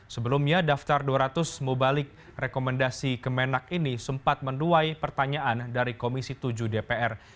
sebelumnya daftar dua ratus mubalik rekomendasi kemenak ini sempat menuai pertanyaan dari komisi tujuh dpr